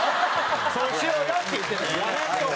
「そうしようや」って言ってたよね。